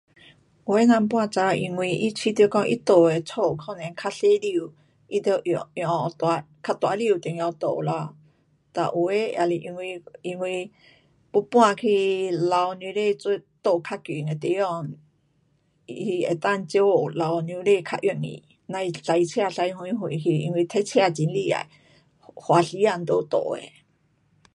有的人搬走因为他觉得讲他住的家可能较小间。他得换，换大，较大间一点住咯，哒有的也是因为，因为要搬去父母亲住较近的地方，他可以照顾父母亲较容易。甭驾车驾远远去。因为赛车会厉害。花时间在路的。